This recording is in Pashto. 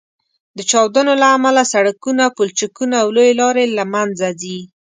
د چاودنو له امله سړکونه، پولچکونه او لویې لارې له منځه ځي